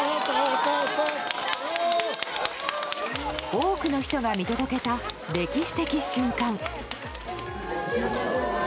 多くの人が見届けた歴史的瞬間。